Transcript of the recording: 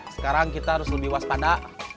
sekarang kita harus lebih waspada